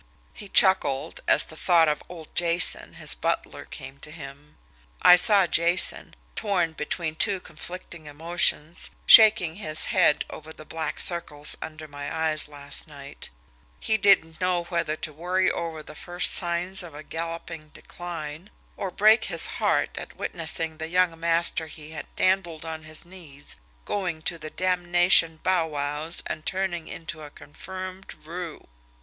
He chuckled as the thought of old Jason, his butler, came to him. "I saw Jason, torn between two conflicting emotions, shaking his head over the black circles under my eyes last night he didn't know whether to worry over the first signs of a galloping decline, or break his heart at witnessing the young master he had dandled on his knees going to the damnation bowwows and turning into a confirmed roue!